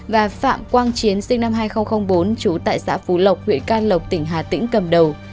và phạm quang chiến sinh năm hai nghìn bốn trú tại xã phú lộc huyện can lộc tỉnh hà tĩnh cầm đầu